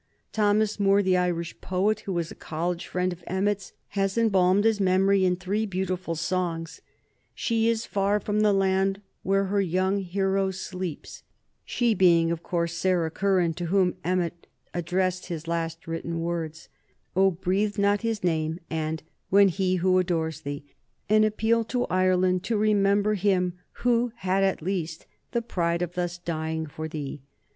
Thomas Moore, the Irish poet, who was a college friend of Emmet's, has embalmed his memory in three beautiful songs, "She is far from the land where her young hero sleeps," she being of course Sarah Curran, to whom Emmet addressed his last written words; "Oh, breathe not his name," and "When he who adores thee," an appeal to Ireland to remember him who had at least "the pride of thus dying for thee."